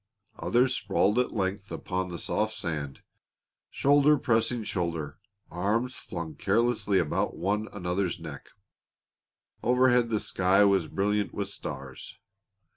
Others sprawled at length upon the soft sand, shoulder pressing shoulder, arms flung carelessly about one another's neck. Overhead the sky was brilliant with stars.